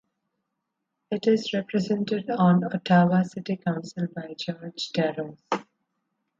It is represented on Ottawa City Council by George Darouze.